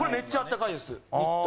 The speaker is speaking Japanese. ニット。